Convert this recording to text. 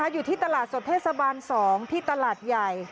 อยู่ที่ตลาดสดเทศบาล๒ที่ตลาดใหญ่